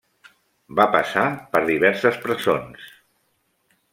Va passar per diverses presons.